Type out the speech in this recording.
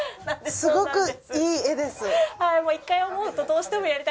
すごくいい絵です。